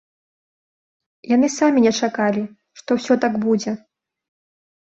Яны самі не чакалі, што ўсё так будзе.